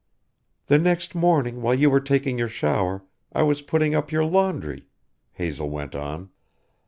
"The next morning while you were taking your shower I was putting up your laundry," Hazel went on.